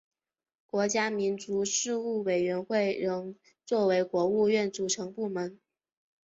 国家民族事务委员会仍作为国务院组成部门。